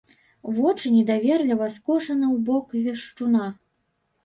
Вочы недаверліва скошаны ў бок вешчуна.